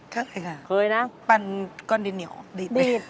ค่ะค่ะปันก้อนดินเหนียวดินนะค่ะ